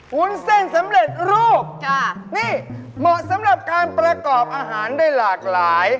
วุ้นเส้นสำเร็จรูปจ้ะนี่เหมาะสำหรับการประกอบอาหารได้หลากหลาย